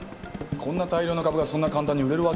こんな大量の株がそんな簡単に売れるわけがない。